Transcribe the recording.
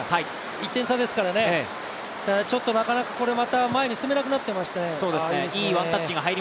１点差ですからね、ただちょっとなかなか前に進めなくなってまして。